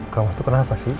kamu tuh kenapa sih